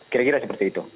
kira kira seperti itu